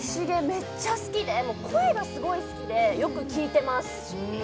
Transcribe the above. めっちゃ好きでもう声がすごい好きでよく聴いてます